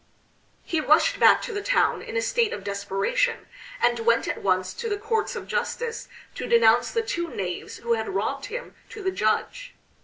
He rushed back to the town in a state of desperation, and went at once to the Courts of Justice to denounce the two knaves who had robbed him to the judge.